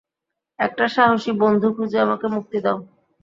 একটা সাহসী বন্ধু খুঁজে আমাকে মুক্তি দাও।